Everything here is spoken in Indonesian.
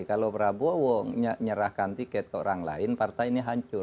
kalau prabowo nyerahkan tiket ke orang lain partai ini hancur